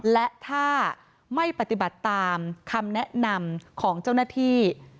และถ้าไม่ปฏิบัติตามคำแนะนำของเจ้าหน้าที่